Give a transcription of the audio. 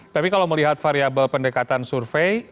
tapi kalau melihat variable pendekatan survei